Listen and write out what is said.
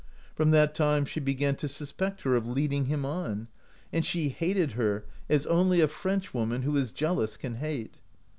From that time she began to sus pect her of leading him on, and she hated her as only a Frenchwoman who is jealous can hate.